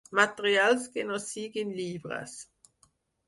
Materials que no siguin llibres.